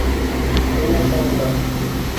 Кем ята унда?